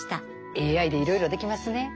ＡＩでいろいろできますね。